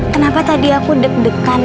kenapa tadi aku deg degan